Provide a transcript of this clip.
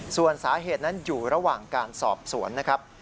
ส่วนสาเหตุนั้นอยู่ระหว่างการสอบสวนนะครับ